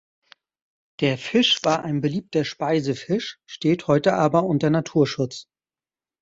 Der Fisch war ein beliebter Speisefisch, steht heute aber unter Naturschutz.